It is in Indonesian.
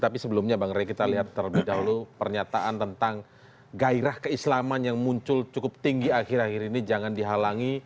tapi sebelumnya bang ray kita lihat terlebih dahulu pernyataan tentang gairah keislaman yang muncul cukup tinggi akhir akhir ini jangan dihalangi